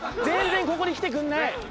全然ここに来てくんない。